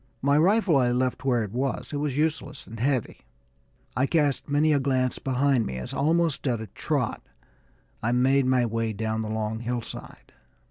My rifle I left where it was; it was useless and heavy. I cast many a glance behind me as, almost at a trot, I made my way down the long hillside.